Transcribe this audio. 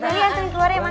dari ya tante keluar ya mak